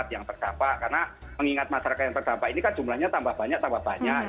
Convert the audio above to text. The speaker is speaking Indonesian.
yang terdampak karena mengingat masyarakat yang terdampak ini kan jumlahnya tambah banyak tambah banyak